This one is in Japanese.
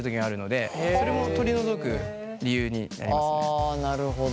あなるほど。